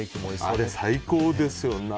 あれ、最高ですよ。